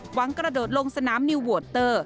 กระโดดลงสนามนิวโวตเตอร์